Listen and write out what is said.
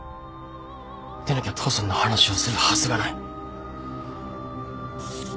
でなきゃ父さんの話をするはずがない